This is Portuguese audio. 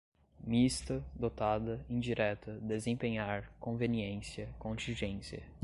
mista, dotada, indireta, desempenhar, conveniência, contingência